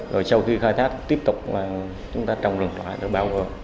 rồi sau khi khai thác tiếp tục là chúng ta trồng được loại được bao vô